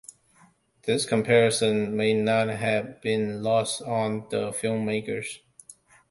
This comparison may not have been lost on the filmmakers.